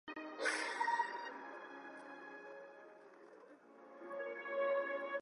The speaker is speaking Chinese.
立法院将修法规范停止未经许可赴中国大陆参与政治活动之退职人员领取退休俸的权利。